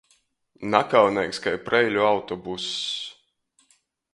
Nakauneigs kai Preiļu autobuss.